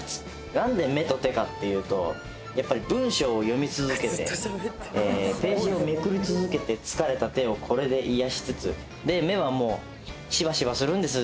何で目と手かっていうとやっぱり文章を読み続けてえページをめくり続けて疲れた手をこれで癒やしつつ目はもうしばしばするんです